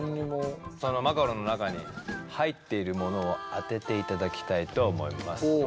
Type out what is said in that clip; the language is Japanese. そのマカロンの中に入っているものを当てていただきたいと思います。